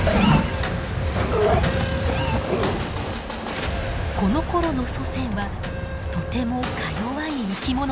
このころの祖先はとてもかよわい生き物でした。